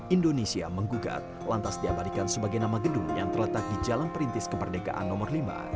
indonesia menggugat lantas diabadikan sebagai nama gedung yang terletak di jalan perintis kemerdekaan nomor lima